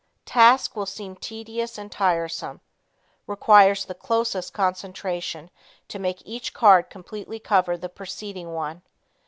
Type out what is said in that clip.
Task will seem tedious and tiresome. Requires the closest concentration to make each card completely cover the preceding one.